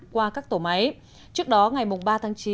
qua các tổ máy trước đó ngày ba tháng chín